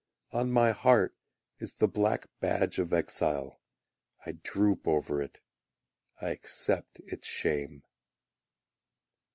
On my heart is the black badge of exile; I droop over it, I accept its shame.